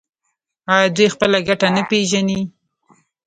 آیا دوی خپله ګټه نه پیژني؟